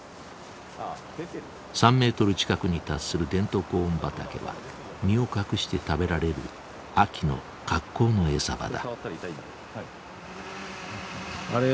３メートル近くに達するデントコーン畑は身を隠して食べられる秋の格好の餌場だ。